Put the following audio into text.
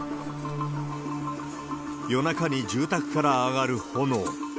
夜中に住宅から上がる炎。